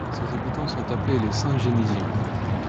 Ses habitants sont appelés les Saint-Génisiens.